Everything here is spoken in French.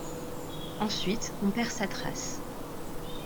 Ensuite on perd sa trace.